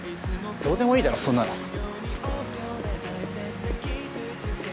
どうでもいいだろそんなの。